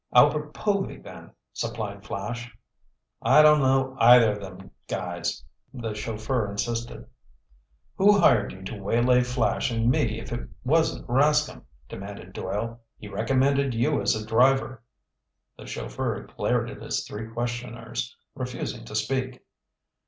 "Albert Povy then," supplied Flash. "I don't know either of them guys," the chauffeur insisted. "Who hired you to waylay Flash and me if it wasn't Rascomb?" demanded Doyle. "He recommended you as a driver." The chauffeur glared at his three questioners, refusing to speak.